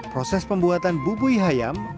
proses pembuatan bubui ayam